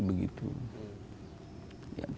terus kita menanggung